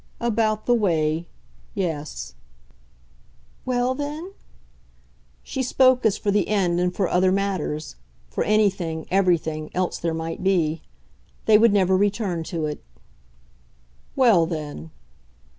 "About the way yes." "Well then ?" She spoke as for the end and for other matters for anything, everything, else there might be. They would never return to it. "Well then